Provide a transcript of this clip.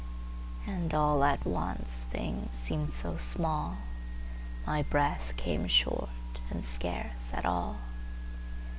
And all at once things seemed so smallMy breath came short, and scarce at all.